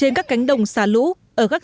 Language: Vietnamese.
rửa lên đồng rửa lâu lắm